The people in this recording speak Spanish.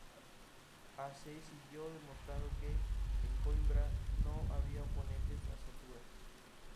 A. C. siguió demostrando que, en Coímbra no había oponentes de su altura.